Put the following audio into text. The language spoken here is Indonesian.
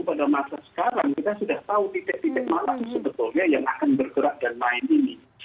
pada masa sekarang kita sudah tahu titik titik mana sebetulnya yang akan bergerak dan main ini